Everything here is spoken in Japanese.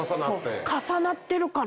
重なってるから。